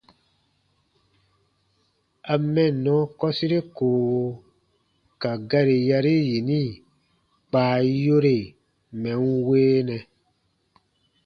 A « mɛnnɔ » kɔsire koowo ka gari yari yini kpa a yore mɛ̀ n weenɛ.